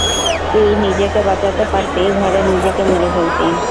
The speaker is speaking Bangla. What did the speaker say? তুই নিজেকে বাচাতে পারতি ঘরে নিজেকে মেরে ফেলতি!